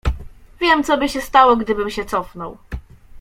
"Wiem, coby się stało, gdybym się cofnął."